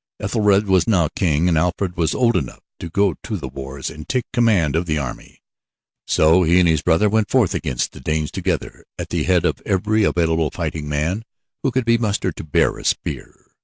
Ethelred was now king, and Alfred was old enough to go to the wars and take command of an army. So he and his brother went forth against the Danes together at the head of every available fighting man who could be mustered to bear a spear.